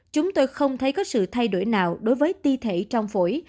chúng tôi không thấy có sự thay đổi nào đối với ti thể trong phổi